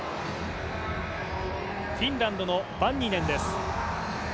フィンランドのバンニネンです。